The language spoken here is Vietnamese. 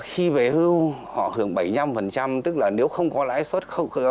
khi về hưu họ hưởng bảy mươi năm tức là nếu không có lãi suất